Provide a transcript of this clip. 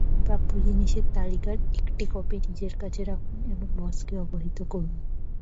প্রাপ্য জিনিসের তালিকার একটি কপি নিজের কাছে রাখুন এবং বসকে অবহিত করুন।